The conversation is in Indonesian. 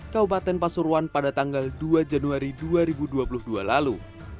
kabupaten pasuruan pada tanggal dua januari dua ribu dua puluh dua lalu